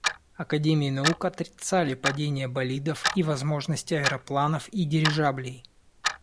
Академии наук отрицали падение болидов и возможность аэропланов и дирижаблей.